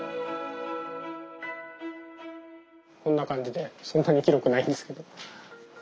こんな感じでそんなに広くないんですけど。